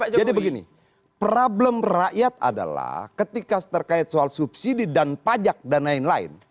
jadi begini problem rakyat adalah ketika terkait soal subsidi dan pajak dan lain lain